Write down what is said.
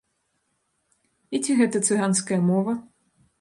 І ці гэта цыганская мова?